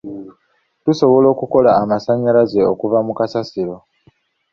Tusobola okukola amasannyalaze okuva mu kasasiro.